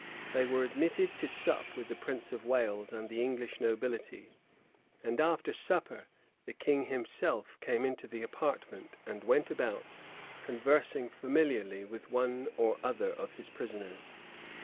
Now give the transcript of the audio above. They were admitted to sup with the prince of Wales and the English nobility; and after supper, the king himself came into the apartment, and went about, conversing familiarly with one or other of his prisoners.